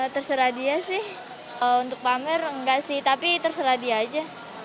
terserah dia sih untuk pamer enggak sih tapi terserah dia aja